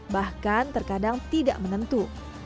bahkan terkadang tidak menentu